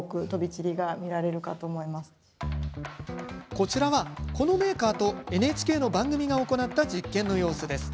こちらはこのメーカーと番組が行った実験の様子です。